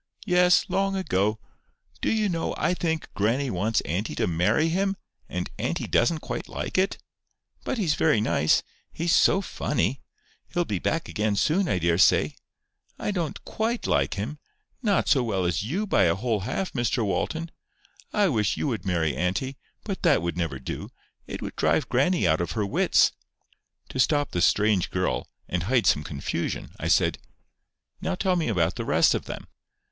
"Yes, long ago. Do you know, I think grannie wants auntie to marry him, and auntie doesn't quite like it? But he's very nice. He's so funny! He'll be back again soon, I daresay. I don't QUITE like him—not so well as you by a whole half, Mr Walton. I wish you would marry auntie; but that would never do. It would drive grannie out of her wits." To stop the strange girl, and hide some confusion, I said: "Now tell me about the rest of them."